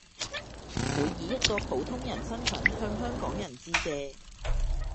會以一個普通人身份向香港人致謝